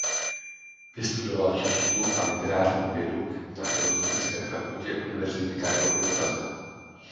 Vystudoval češtinu a literární vědu na Filozofické fakultě Univerzity Karlovy v Praze.